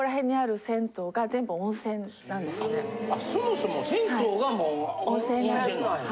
あそもそも銭湯がもう温泉なんやな。